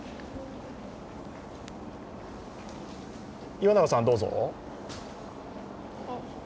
岩永さん、どうぞ。